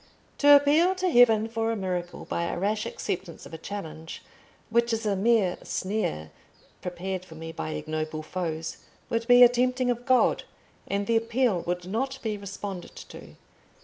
"To appeal to heaven for a miracle by a rash acceptance of a challenge, which is a mere snare prepared for me by ignoble foes, would be a tempting of God, and the appeal would not be responded to.